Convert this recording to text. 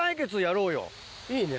いいね。